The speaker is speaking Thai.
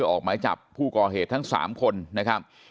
ออกหมายจับผู้ก่อเหตุทั้ง๓คนนะครับ